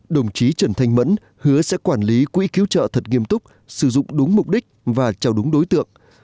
đồng chí trần thanh mẫn hứa sẽ quản lý quỹ cứu trợ thật nghiêm túc sử dụng đúng mục đích và chào đúng đối tượng